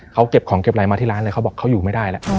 เขาเก็บของเก็บอะไรมาที่ร้านเลยเขาบอกเขาอยู่ไม่ได้แล้ว